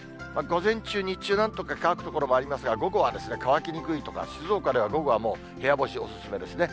午前中、日中なんとか乾く所もありますが、午後は乾きにくいとか、静岡では午後はもう、部屋干しお勧めですね。